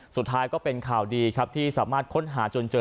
สุดท้ายก็เป็นข่าวดีครับที่สามารถค้นหาจนเจอ